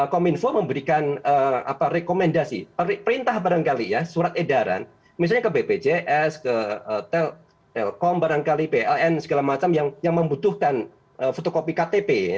kominfo memberikan rekomendasi perintah barangkali ya surat edaran misalnya ke bpjs ke telkom barangkali pln segala macam yang membutuhkan fotokopi ktp